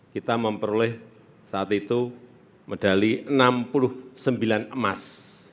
kita memperoleh saat itu medali enam puluh sembilan emas